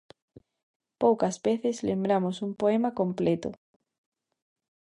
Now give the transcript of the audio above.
Poucas veces lembramos un poema completo.